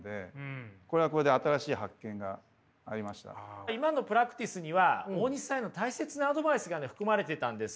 これはこれで今のプラクティスには大西さんへの大切なアドバイスが含まれてたんです。